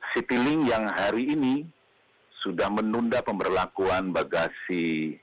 citylink yang hari ini sudah menunda pemberlakuan bagasi